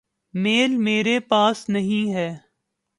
میل میرے پاس نہیں ہے۔۔